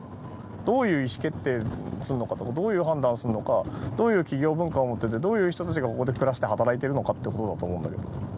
どういう意思決定するのかとかどういう判断するのかどういう企業文化を持っててどういう人たちがここで暮らして働いているのかってことだと思うんだけど。